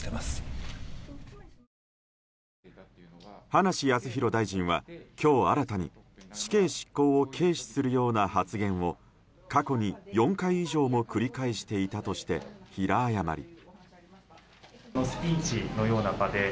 葉梨康弘大臣は、今日新たに死刑執行を軽視するような発言を過去に４回以上も繰り返していたとして平謝り。